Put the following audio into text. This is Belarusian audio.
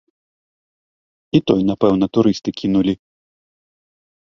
І той, напэўна, турысты кінулі.